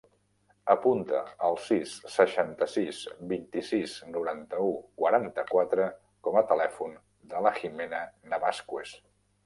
Apunta el sis, seixanta-sis, vint-i-sis, noranta-u, quaranta-quatre com a telèfon de la Jimena Navascues.